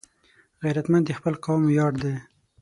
غیرتمند د خپل قوم ویاړ دی